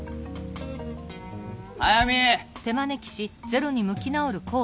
速水！